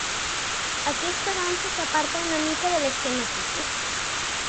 Aquesta dansa s'aparta una mica de l'esquema típic.